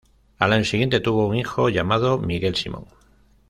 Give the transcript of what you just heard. Al año siguiente tuvo un hijo, llamado Miguel Simón.